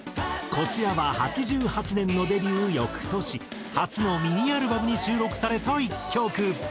こちらは８８年のデビュー翌年初のミニアルバムに収録された一曲。